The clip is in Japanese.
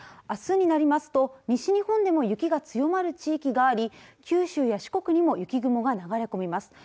明日になりますと西日本でも雪が強まる地域があり九州や四国にも雪雲が流れ込みます